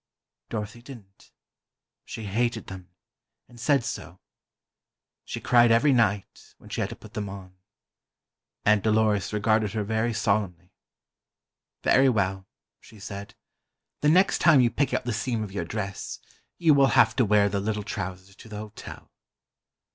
Dorothy didn't. She hated them, and said so. She cried every night, when she had to put them on. Aunt Dolores regarded her very solemnly. "Very well," she said, "the next time you pick out the seam of your dress, you will have to wear the little trousers to the hotel."